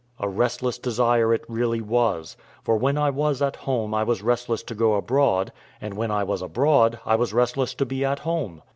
A restless desire it really was, for when I was at home I was restless to go abroad; and when I was abroad I was restless to be at home.